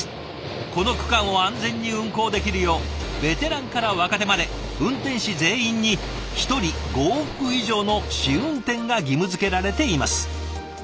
この区間を安全に運行できるようベテランから若手まで運転士全員に１人５往復以上の試運転が義務づけられています。